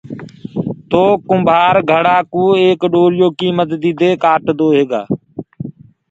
تو ڪُمڀآر گھڙآ ڪو ايڪ ڏوريو ڪيِ مددي دي ڪآٽدو هي۔